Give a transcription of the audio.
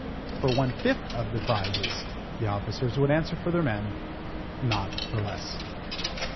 For one fifth of the prizes, the officers would answer for their men; not for less.